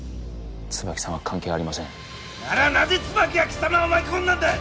椿さんは関係ありませんならなぜ椿は貴様を巻き込んだんだ！